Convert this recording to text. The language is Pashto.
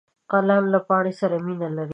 قلم له پاڼې سره مینه لري